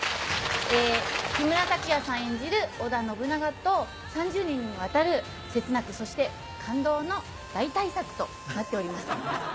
木村拓哉さん演じる織田信長と３０年にわたる切なくそして感動の大大作となっております。